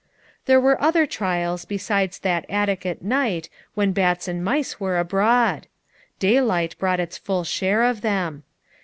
There were other trials besides that attic at night when bats and mice were abroad; day light brought its full share of them.